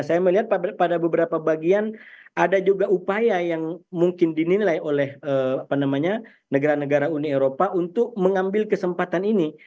saya melihat pada beberapa bagian ada juga upaya yang mungkin dinilai oleh negara negara uni eropa untuk mengambil kesempatan ini